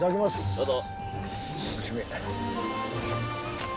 どうぞ！